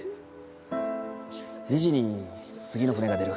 ２時に次の船が出る。